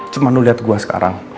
cuman lu lihat gue sekarang